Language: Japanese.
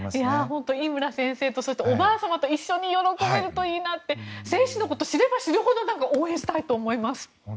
本当、井村先生とおばあさまと一緒に喜べるといいなって選手のことを知れば知るほど応援したいと思います。